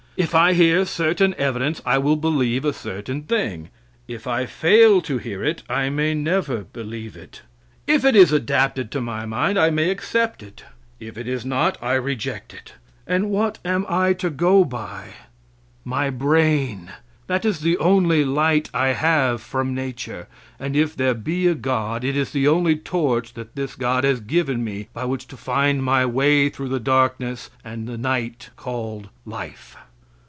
If I hear certain evidence I will believe a certain thing. If I fail to hear it I may never believe it. If it is adapted to my mind I may accept it; if it is not, I reject it. And what am I to go by? My brain. That is the only light I have from nature, and if there be a God, it is the only torch that this God has given me by which to find my way through the darkness and the night called life.